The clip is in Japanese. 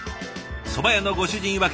そば屋のご主人いわく